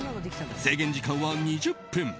制限時間は２０分。